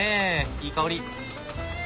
いい香り。